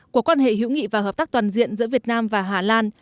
của quan hệ hữu nghị và hợp tác toàn diện giữa việt nam và hà lan